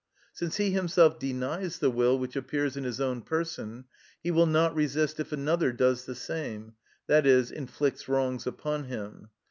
Since he himself denies the will which appears in his own person, he will not resist if another does the same, i.e., inflicts wrongs upon him.